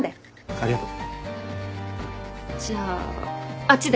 ありがとう。